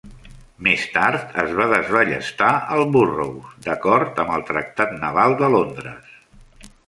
Més tard es va desballestar el "Burrows" d'acord amb el Tractat Naval de Londres.